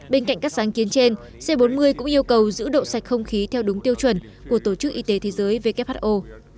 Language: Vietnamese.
bên cạnh các sáng kiến trên c bốn mươi cũng yêu cầu giữ độ sạch không khí theo đúng tiêu chuẩn của tổ chức y tế thế giới who